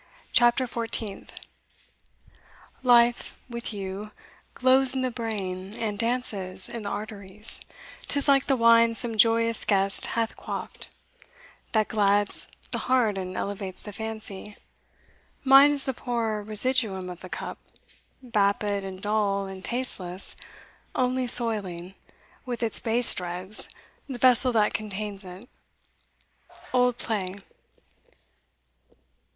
CHAPTER FOURTEENTH Life, with you, Glows in the brain and dances in the arteries; 'Tis like the wine some joyous guest hath quaffed, That glads the heart and elevates the fancy: Mine is the poor residuum of the cup, Vapid, and dull, and tasteless, only soiling, With its base dregs, the vessel that contains it. Old Play.